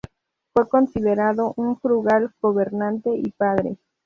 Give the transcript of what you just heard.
Fue considerado un frugal gobernante y padre.